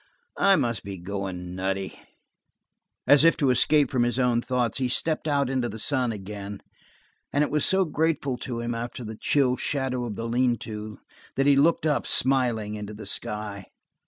"I must be going nutty." As if to escape from his own thoughts, he stepped out into the sun again, and it was so grateful to him after the chill shadow in the lean to, that he looked up, smiling, into the sky.